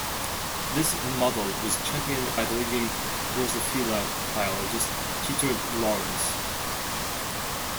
This model was championed by the leading "Drosophila" biologist, Peter Lawrence.